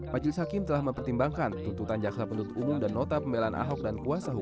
majelis hakim telah mempertimbangkan tuntutan jaksa penduduk umum dan nota pembelian ahok dan kuasa